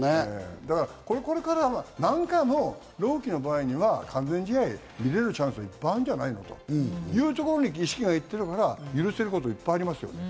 これからは何回も朗希の場合には完全試合見れるチャンスはいっぱいあるんじゃないのというところに意識がいってるから許せることがいっぱいありますよね。